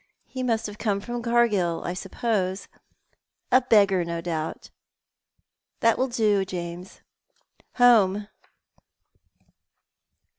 He must have come from Cargill, I suppose. A beggar, no doubt. That will do, James. Home."